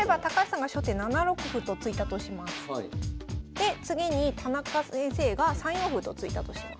で次に田中先生が３四歩と突いたとします。